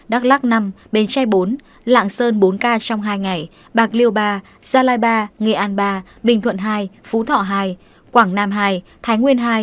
đắk lắc năm bến tre bốn lạng sơn bốn ca trong hai ngày bạc liêu ba gia lai ba nghệ an ba bình thuận hai phú thọ hai quảng nam hai thái nguyên hai